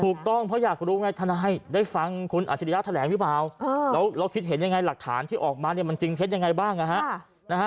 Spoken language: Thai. ถูกต้องเพราะอยากรู้ไงทนายได้ฟังคุณอัจฉริยะแถลงหรือเปล่าแล้วคิดเห็นยังไงหลักฐานที่ออกมาเนี่ยมันจริงเท็จยังไงบ้างนะฮะ